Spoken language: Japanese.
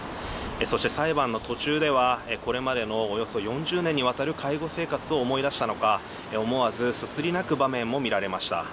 そして、裁判の途中ではこれまでのおよそ４０年にわたる介護生活を思い出したのか思わず、すすり泣く場面も見られました。